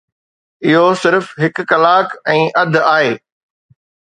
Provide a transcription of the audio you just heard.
اهو صرف هڪ ڪلاڪ ۽ اڌ آهي.